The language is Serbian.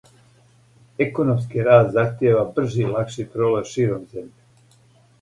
Економски раст захтијева бржи и лакши пролаз широм земље.